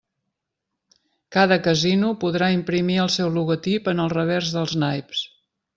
Cada casino podrà imprimir el seu logotip en el revers dels naips.